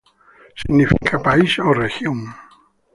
Significa país o región.